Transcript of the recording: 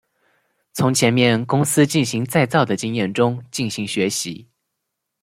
从前面公司进行再造的经验中进行学习。